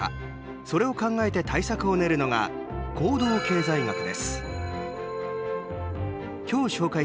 それを考えて対策を練るのが行動経済学です。